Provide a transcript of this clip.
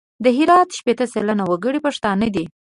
د هرات شپېته سلنه وګړي پښتانه دي.